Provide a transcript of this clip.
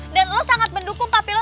dan lo sangat mendukung papi lo